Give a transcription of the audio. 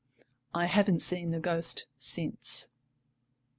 I haven't seen the ghost since.